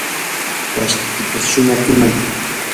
washkita shunatsimay.